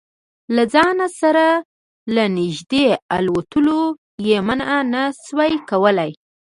له ځان سره له نږدې الوتلو یې منع نه شو کولای.